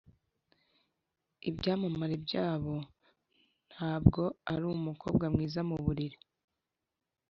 ibyamamare byabo --– ntabwo ari umukobwa mwiza muto muburiri